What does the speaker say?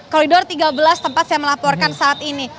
koridor tiga belas tempat saya melaporkan